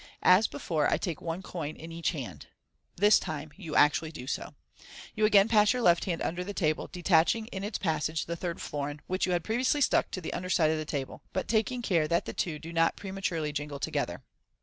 As before, I take one coin in each hand." This time you actually do so. You again pass your left hand under the table, detaching in its passage the third florin, which you had pre* MODERN MAGIC 17$ Tiously stuck to the under side of the table, but taking care that the two do not prematurely jingle together.